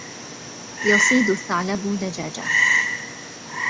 يَصِيدُ الثَّعْلَبُ دَجاجَةً.